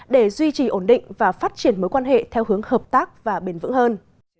để duy trì ổn định và phát triển mối quan hệ theo hướng hợp tác và bền vững hơn